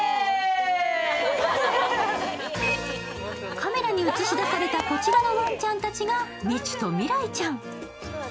カメラに映し出されたこちらのワンちゃんたちがみちゅと未来ちゃん。